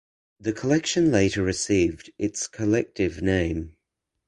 The collection later received its collective name.